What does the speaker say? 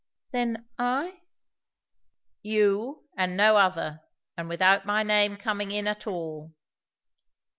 "Then I?" "You, and no other. And without my name coming in at all."